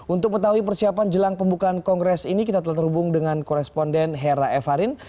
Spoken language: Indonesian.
untuk mengetahui persiapan jelang pembukaan kongres ini kita telah terhubung dengan koresponden hera evarin